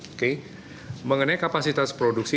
oke mengenai kapasitas produksi